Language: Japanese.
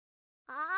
あ。